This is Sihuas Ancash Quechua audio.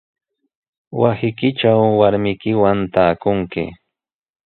Wasiykitraw warmiykiwan taakunki.